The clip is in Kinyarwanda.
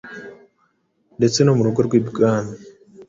ndetse no mu rugo rw’ibwami,